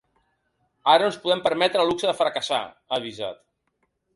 Ara no ens podem permetre el luxe de fracassar, ha avisat.